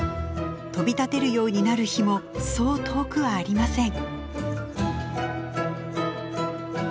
飛び立てるようになる日もそう遠くはありません。